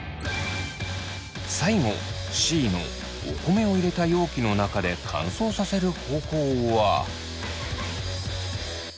最後Ｃのお米を入れた容器の中で乾燥させる方法は。